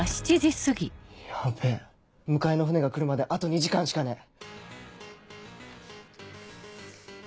やべぇ迎えの船が来るまであと２時間しかねえ。